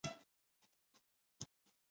تر اوسه یې ونه کړه.